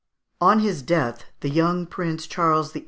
On his death, the young prince, Charles VIII.